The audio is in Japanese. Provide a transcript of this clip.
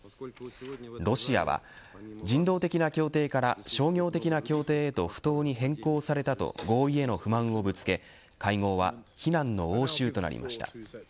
ロシアは、人道的な協定から商業的な協定と不当に変更されたと合意への不満をぶつけ会合は非難の応酬となりました。